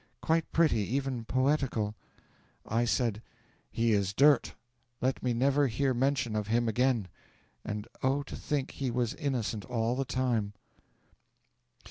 Quite pretty, even poetical! 'I said, "He is dirt let me never hear mention of him again." And oh, to think he was innocent all the time!